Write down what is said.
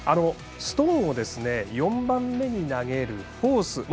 ストーンを４番目に投げるフォース。